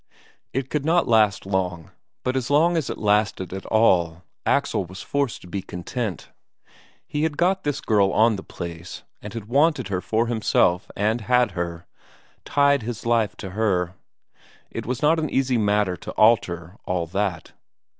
It could not last long, but as long as it lasted at all, Axel was forced to be content. He had got this girl on the place, and had wanted her for himself and had her, tied his life to her; it was not an easy matter to alter all that.